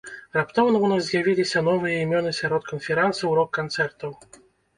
Раптоўна ў нас з'явіліся новыя імёны сярод канферансаў рок-канцэртаў.